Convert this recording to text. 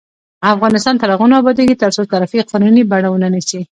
افغانستان تر هغو نه ابادیږي، ترڅو صرافي قانوني بڼه ونه نیسي.